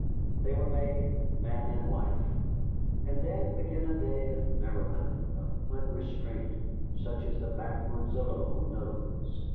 They were made man and wife. And then began a day of merriment, of unrestraint, such as the backwoods alone knows.